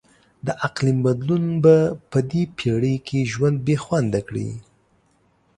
د اقلیم بدلون به په دې پیړۍ کې ژوند بیخونده کړي.